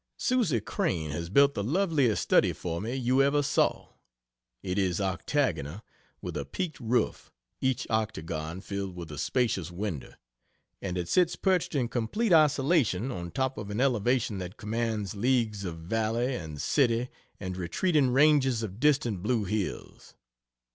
Susie Crane has built the loveliest study for me, you ever saw. It is octagonal, with a peaked roof, each octagon filled with a spacious window, and it sits perched in complete isolation on top of an elevation that commands leagues of valley and city and retreating ranges of distant blue hills.